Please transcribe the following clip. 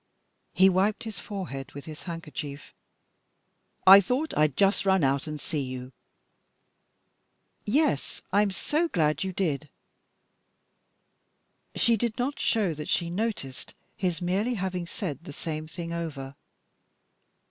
He wiped his forehead with his handkerchief. "I thought I'd just run out and see you." "Yes, I'm so glad you did!" She did not show that she noticed his merely having said the same thing over.